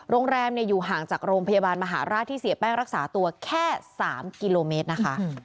โรงแรมอยู่ห่างจากโรงพยาบาลมหาราชที่เสียแป้งรักษาตัวแค่๓กิโลเมตรนะคะ